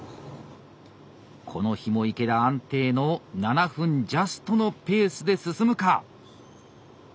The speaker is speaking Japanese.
この日も池田安定の７分ジャストのペースで進むか。